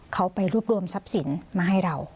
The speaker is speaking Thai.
เขาไปรวบรวมทรัพย์สินมาให้เรา